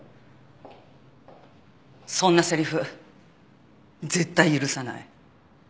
そんなセリフ絶対許さない。